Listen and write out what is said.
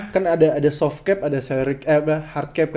kan ada soft cap ada hard cap